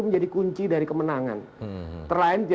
menjadi kunci dari kemenangan